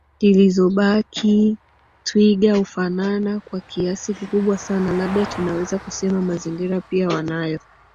zilizo baki twiga hufanana kwa kiasi kikubwa sana Labda tunaweza kusema mazingira pia wanayo